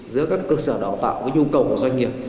giữa các cơ sở đào tạo với nhu cầu của doanh nghiệp